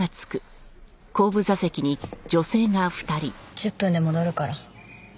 １０分で戻るから。